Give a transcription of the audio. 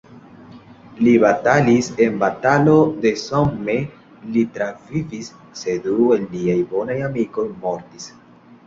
Li batalis en Batalo de Somme—li travivis, sed du el liaj bonaj amikoj mortis.